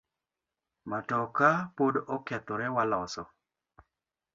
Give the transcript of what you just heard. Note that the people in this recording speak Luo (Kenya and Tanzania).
Matoka pod okethore waloso.